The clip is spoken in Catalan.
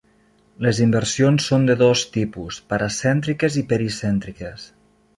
Les inversions són de dos tipus: paracèntriques i pericèntriques.